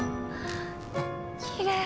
きれい。